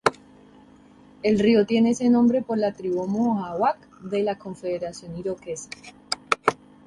El río tiene ese nombre por la tribu Mohawk de la Confederación Iroquesa.